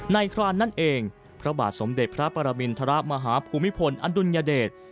ครานนั่นเองพระบาทสมเด็จพระปรมินทรมาฮภูมิพลอดุลยเดช